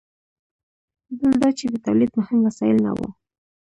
بل دا چې د تولید مهم وسایل نه وو.